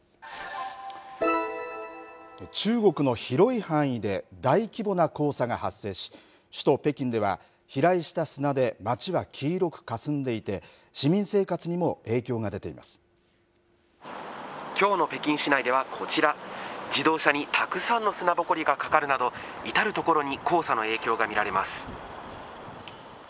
中国の広い範囲で、大規模な黄砂が発生し、首都北京では、飛来した砂で街は黄色くかすんでいて、市民生活にも影響が出ていまきょうの北京市内ではこちら、自動車にたくさんの砂ぼこりがかかるなど、至る所に黄砂の影響が見られます。